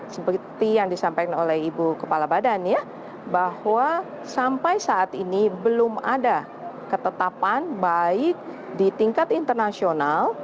seperti yang disampaikan oleh ibu kepala badan ya bahwa sampai saat ini belum ada ketetapan baik di tingkat internasional